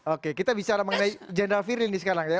oke kita bicara mengenai general firly nih sekarang ya